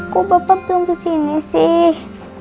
kok bapak belum kesini sih